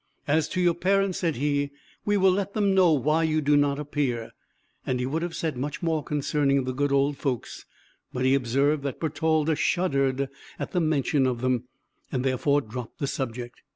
"As to your parents," said he, "we will let them know why you do not appear;" and he would have said much more concerning the good old folks, but he observed that Bertalda shuddered at the mention of them, and therefore dropped the subject.